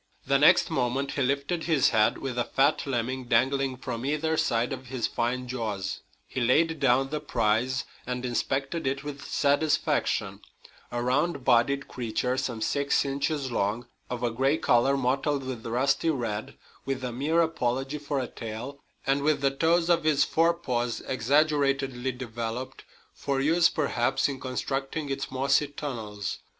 The next moment he lifted his head with a fat lemming dangling from either side of his fine jaws. He laid down the prize and inspected it with satisfaction a round bodied creature some six inches long, of a gray color mottled with rusty red, with a mere apology for a tail, and with the toes of its forepaws exaggeratedly developed, for use, perhaps, in constructing its mossy tunnels.